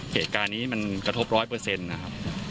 เหตุการณ์นี้มันกระทบร้อยเปอร์เซ็นต์นะครับ